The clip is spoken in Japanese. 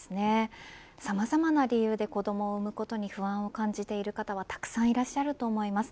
さまざまな理由で子どもを生むことに不安を感じている方がたくさんいらっしゃると思います。